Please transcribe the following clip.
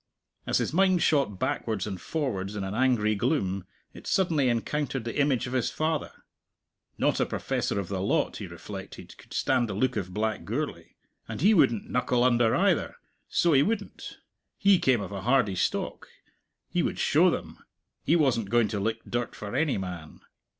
As his mind shot backwards and forwards in an angry gloom, it suddenly encountered the image of his father. Not a professor of the lot, he reflected, could stand the look of black Gourlay. And he wouldn't knuckle under, either, so he wouldn't. He came of a hardy stock. He would show them! He wasn't going to lick dirt for any man.